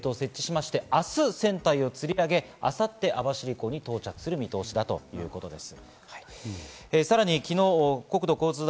今日、再びベルトを設置しまして明日船体をつり揚げ、明後日に網走港に到着する見通しだということです。